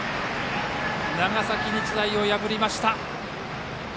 長崎日大を破りました。